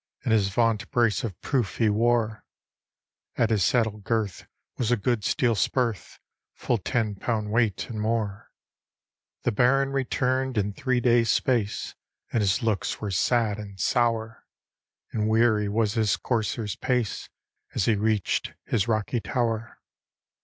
And his vaunt brace of proof he wore: At his saddle girth was a good steel sperthe, Full ten poimd weight and more. D,gt,, erihyGOOglC The Eve of St. John 2 The Baron return'd in three days' space, And his looks were sad and sour, And weary was his courser's pace. As he reach'd his rocky tower.